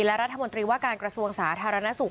และรัฐมนตรีว่าการกระทรวงสาธารณสุข